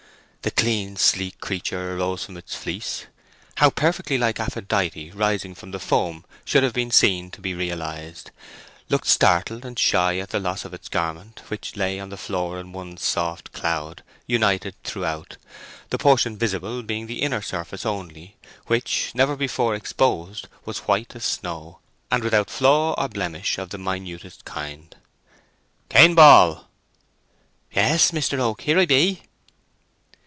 The clean, sleek creature arose from its fleece—how perfectly like Aphrodite rising from the foam should have been seen to be realized—looking startled and shy at the loss of its garment, which lay on the floor in one soft cloud, united throughout, the portion visible being the inner surface only, which, never before exposed, was white as snow, and without flaw or blemish of the minutest kind. "Cain Ball!" "Yes, Mister Oak; here I be!"